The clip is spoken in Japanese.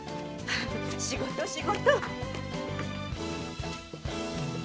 仕事仕事。